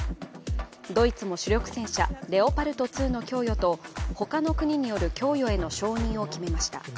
ドイツも主力戦車・レオパルト２の供与と他の国による供与への承認を決めました。